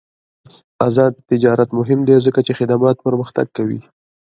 آزاد تجارت مهم دی ځکه چې خدمات پرمختګ کوي.